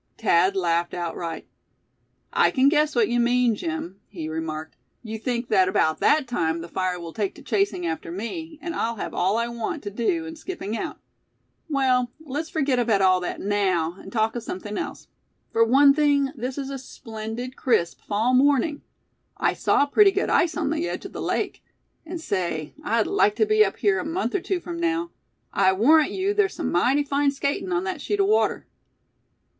Thad laughed outright. "I can guess what you mean, Jim," he remarked. "You think that about that time the fire will take to chasing after me, and I'll have all I want to do in skipping out. Well, let's forget all about that, now, and talk of something else. For one thing, this is a splendid crisp fall morning. I saw pretty good ice on the edge of the lake. And say, I'd like to be up here a month or two from now. I warrant you there's some mighty fine skating on that sheet of water."